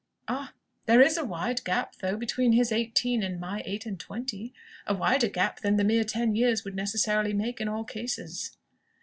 "Ah! There is a wide gap, though, between his eighteen and my eight and twenty a wider gap than the mere ten years would necessarily make in all cases."